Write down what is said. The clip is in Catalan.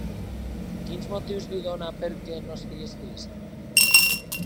Quins motius li dona perquè no estigui trist?